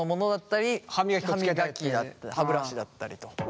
歯ブラシだったりと。